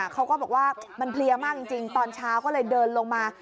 เขาก็บอกว่ามันเพลียมากจริงตอนเช้าก็เลยเดินลงมา